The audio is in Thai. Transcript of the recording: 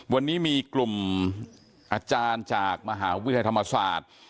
วันนี้มีกลุ่มอาจารย์จากมหาวิทยาลัยธรรมศาสตร์